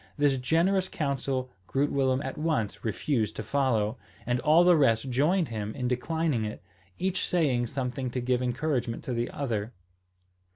This generous counsel Groot Willem at once refused to follow, and all the rest joined him in declining it, each saying something to give encouragement to the other.